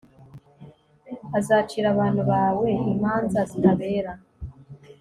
azacira abantu bawe imanza zitabera